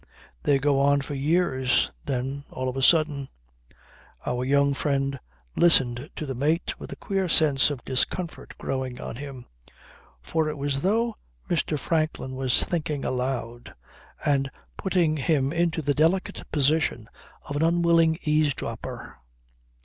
They go on for years, then all of a sudden " Our young friend listened to the mate with a queer sense of discomfort growing on him. For it was as though Mr. Franklin were thinking aloud, and putting him into the delicate position of an unwilling eavesdropper.